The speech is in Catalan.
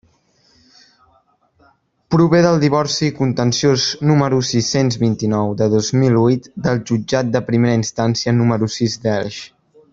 Prové del divorci contenciós número sis-cents vint-i-nou de dos mil huit del Jutjat de Primera Instància número sis d'Elx.